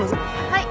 はい。